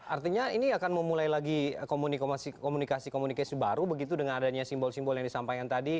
artinya ini akan memulai lagi komunikasi komunikasi baru begitu dengan adanya simbol simbol yang disampaikan tadi